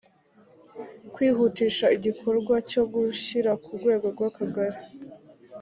kwihutisha igikorwa cyo gushyira ku rwego rw akagali